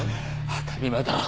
当たり前だろ。